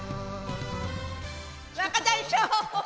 若大将